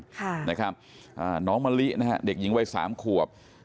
ค่ะนะครับน้องมะลินะฮะเด็กยิงวัย๓ขวบ